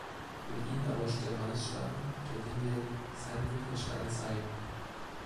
Mit ihm erlosch der Mannesstamm der Linie Sayn-Wittgenstein-Sayn.